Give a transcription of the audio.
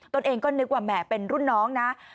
ตัวเองก็นึกว่าแหมเป็นรุ่นน้องนะ